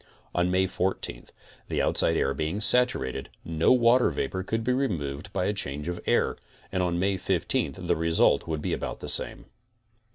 On May 14 the outside air being saturated, no water vapor could be removed by a change of air, and on May 15 the result would be about the same.